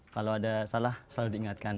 kalau ada salah selalu diingatkan